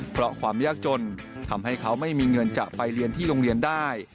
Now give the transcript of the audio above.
เพราะความยากจนทำให้เขาไม่มีเงินจะไปเรียนที่โรงเรียนได้